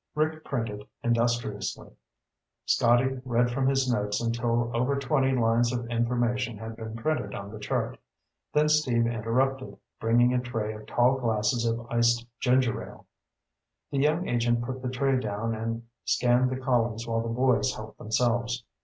Rick printed industriously. Scotty read from his notes until over twenty lines of information had been printed on the chart. Then Steve interrupted, bringing a tray of tall glasses of iced ginger ale. The young agent put the tray down and scanned the columns while the boys helped themselves.